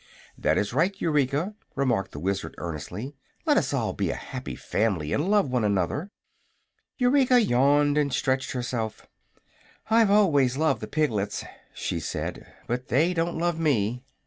"That is right, Eureka," remarked the Wizard, earnestly. "Let us all be a happy family and love one another." Eureka yawned and stretched herself. "I've always loved the piglets," she said; "but they don't love me."